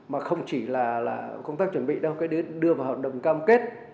mà không chỉ là công tác chuẩn bị đâu cái đưa vào hợp đồng cam kết